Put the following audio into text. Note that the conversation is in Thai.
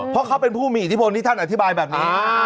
เพราะเขาเป็นผู้มีอิทธิพลที่ท่านอธิบายแบบนี้